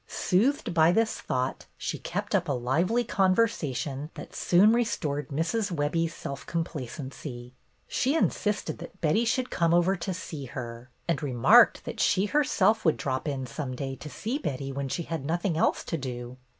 Soothed by this thought, she kept up a lively conversation that soon restored Mrs. Webbie's self complacency. She insisted that Betty should come over to see her, and re marked that she herself would drop in some day to see Betty when she had nothing else to do.